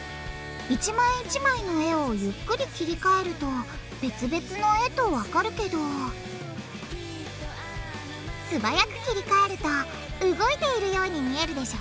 一枚一枚の絵をゆっくり切り替えると別々の絵とわかるけど素早く切り替えると動いているように見えるでしょ！